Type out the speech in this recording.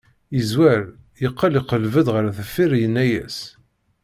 Yezwar, yeqqel iqleb-d ɣer deffir, yenna-yas.